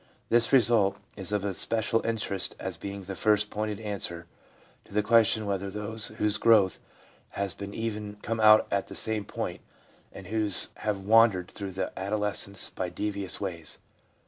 This result is of especial interest as being the first pointed answer to the question whether those whose growth has been even come out at the same point as those who have wandered through adolescence by devious ways.